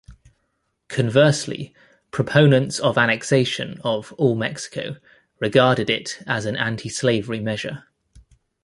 Conversely, proponents of annexation of "All Mexico" regarded it as an anti-slavery measure.